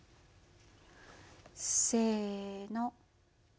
せの。